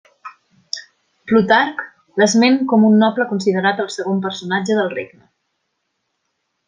Plutarc l'esment com un noble considerat el segon personatge del regne.